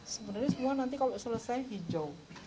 sebenarnya semua nanti kalau selesai hijau